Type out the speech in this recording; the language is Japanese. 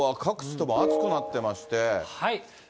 きょうは各地とも暑くなってまして。